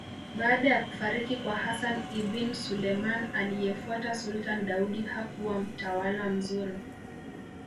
Baada ya kufariki kwa Hassan Ibin Suleman aliyefuata Sultan Daudi hakuwa mtawala mzuri